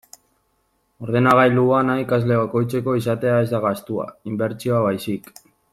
Ordenagailu bana ikasle bakoitzeko izatea ez da gastua, inbertsioa baizik.